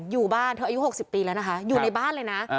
อยู่บ้านเธออายุ๖๐ปีแล้วนะคะอยู่ในบ้านเลยนะ